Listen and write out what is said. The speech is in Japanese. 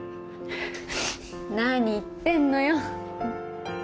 何言ってんのよ。